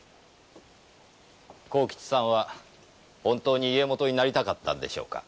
幸吉さんは本当に家元になりたかったんでしょうか？